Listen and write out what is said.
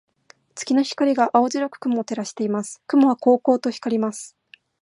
月の光が青白く雲を照らしています。雲はこうこうと光ります。